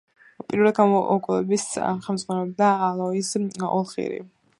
პირველ გამოკვლევებს ხელმძღვანელობდა ალოიზ ულრიხი.